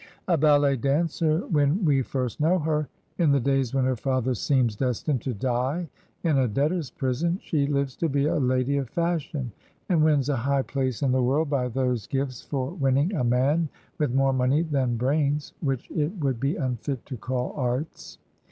A ballet dancer when we first know her, in the days when her father seems destined to die in a debtor's prison, she lives to be a lady of fashion, and wins a high place in the world by those gifts for winning a man with more money than brains which it would be unfit to call arts.